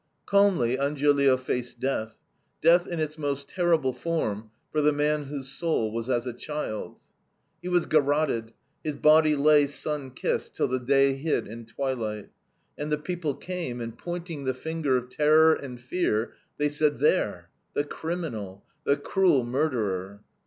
Calmly Angiolillo faced death. Death in its most terrible form for the man whose soul was as a child's. He was garroted. His body lay, sun kissed, till the day hid in twilight. And the people came, and pointing the finger of terror and fear, they said: "There the criminal the cruel murderer."